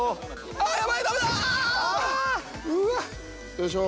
よいしょ。